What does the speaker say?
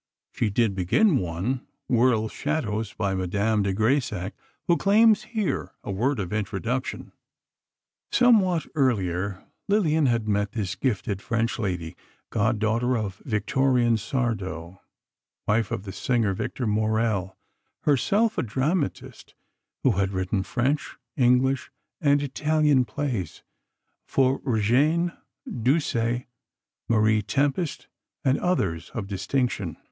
She did begin one, "World's Shadows," by Madame de Grésac, who claims here a word of introduction: Somewhat earlier, Lillian had met this gifted French lady, god daughter of Victorien Sardou, wife of the singer, Victor Maurel, herself a dramatist who had written French, English and Italian plays for Réjane, Duse, Marie Tempest, and others of distinction.